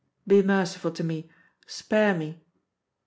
"Be merciful to me, spare me.